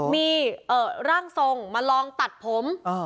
มีร่างทรงมาลองตัดผม